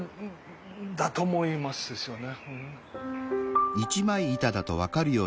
だと思いますですよね。